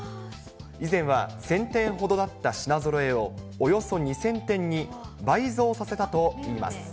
以前は１０００点ほどだった品ぞろえをおよそ２０００点に倍増させたといいます。